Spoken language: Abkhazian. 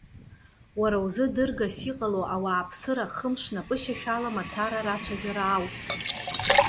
Уара узы дыргас иҟало ауааԥсыра хымш напышьашәала мацара рацәажәара ауп.